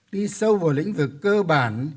đi sâu vào lĩnh vực cơ bản